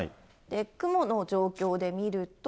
雲の状況で見ると。